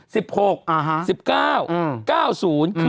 สิบหกอ่าฮ่าสิบเก้าอืมเก้าศูนย์อืม